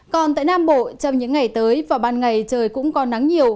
còn tại nam bộ trong những ngày tới và ban ngày trời cũng có nắng nhiều